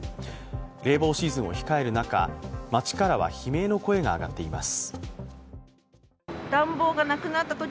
冷房シーズンを控える中、街からは悲鳴の声が上がっています。